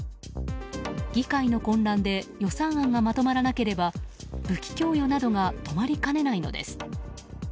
議会の混乱で予算案がまとまらなければ武器供与などが止まりかねないのです。